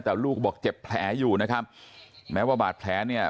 แต่ลูกก็บอกเจ็บแผลอยู่นะครับแม้ว่าบาดแผลเนี่ย